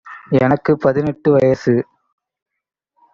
எனக்கு பதினெட்டு வயசு.